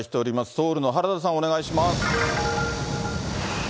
ソウルの原田さん、お願いします。